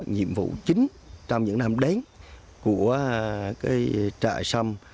nhiệm vụ chính trong những năm đến của trại xâm